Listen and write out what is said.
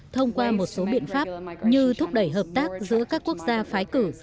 thông qua một số biện pháp như thúc đẩy hợp tác giữa các quốc gia phái cử